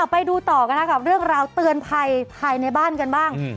ไปดูต่อกันเรื่องราวเตือนภัยในบ้านกันบ้าง